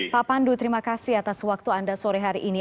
pak pandu terima kasih atas waktu anda sore hari ini